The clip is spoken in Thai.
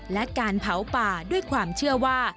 และการเผาป่าด้วยความเชื่อว่า